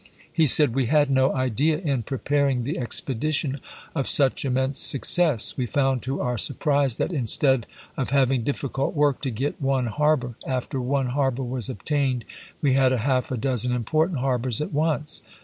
He said : We had no idea, in preparing the expedition of such immense success. We found to our surprise that, instead of having difficult work to get one harbor, after one har bor was obtained we had a half a dozen important harbors at once.